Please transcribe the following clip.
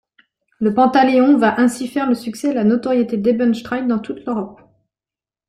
Le pantaléon va ainsi faire le succès et la notoriété d’Hebenstreit dans toute l’Europe.